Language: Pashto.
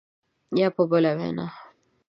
یا په بله وینا